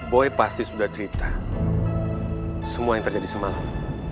boy pasti sudah cerita semua yang terjadi semalam